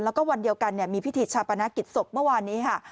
แล้วก็วันเดียวกันมีพิธีชาปนกิจศพเมื่อวานนี้ค่ะ